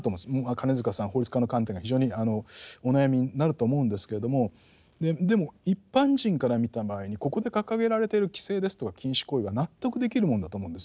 金塚さん法律家の観点から非常にお悩みになると思うんですけれどもでも一般人から見た場合にここで掲げられている規制ですとか禁止行為は納得できるもんだと思うんですよ。